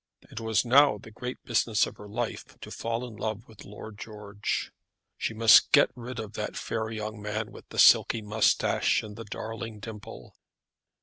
It was now the great business of her life to fall in love with Lord George. She must get rid of that fair young man with the silky moustache and the darling dimple.